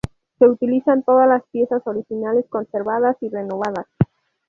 Se utilizan todas las piezas originales conservadas y renovadas.